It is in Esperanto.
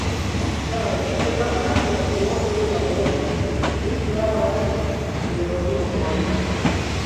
Ĉar el la alia duono de la mondo, mi flaras ironion.